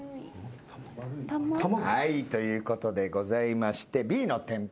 はいということでございましてＢの天ぷらは。